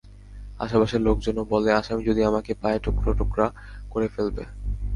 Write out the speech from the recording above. আশপাশের লোকজনও বলে, আসামি যদি আমাকে পায় টুকরা টুকরা করে ফেলবে।